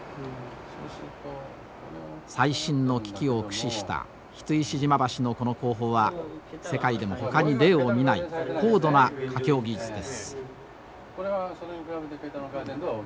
最新の機器を駆使した櫃石島橋のこの工法は世界でもほかに例を見ない高度な架橋技術です。